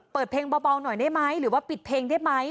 เปิดเพลงเบาหน่อยได้ไหมหรือว่าปิดเพลงได้ไหม